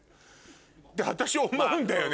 って私思うんだよね。